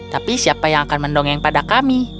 tapi siapa yang akan mendongeng pada kami